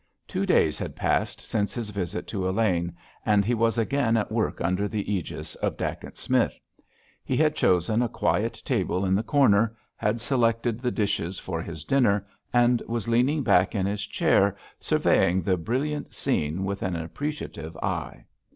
Two days had passed since his visit to Elaine, and he was again at work under the ægis of Dacent Smith. He had chosen a quiet table in the corner, had selected the dishes for his dinner, and was leaning back in his chair surveying the brilliant scene with an appreciative eye.